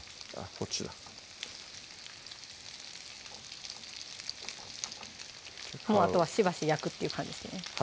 こっちだもうあとはしばし焼くっていう感じですね